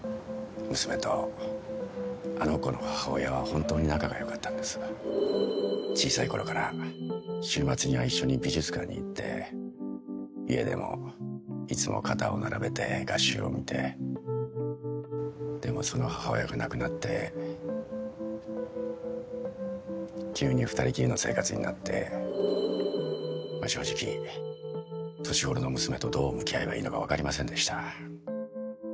娘とあの子の母親は本当に仲がよかったんです小さいころから週末には一緒に美術館に行って家でもいつも肩を並べて画集を見てでもその母親が亡くなって急に二人きりの生活になって正直年ごろの娘とどう向き合えばいいのか分かりませんでした